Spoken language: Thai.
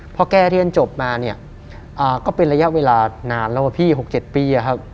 พอแกเรียนจบมาก็เป็นระยะเวลานานแล้วพี่๖๗ปี